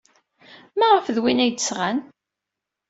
Maɣef d win ay d-sɣan?